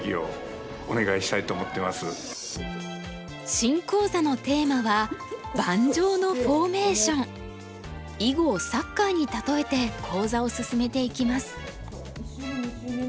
新講座のテーマは囲碁をサッカーに例えて講座を進めていきます。